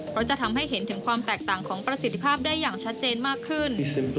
เพราะจะทำให้เห็นถึงความแตกต่างของประสิทธิภาพได้อย่างชัดเจนมากขึ้น